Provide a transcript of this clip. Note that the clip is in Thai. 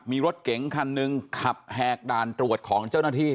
มีรถเก๋งคันหนึ่งขับแหกด่านตรวจของเจ้าหน้าที่